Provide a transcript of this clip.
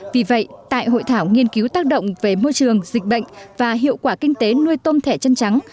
vì vậy tại hội thảo nghiên cứu tác động về môi trường dịch bệnh và hiệu quả kinh tế nuôi tôm thẻ chân trắng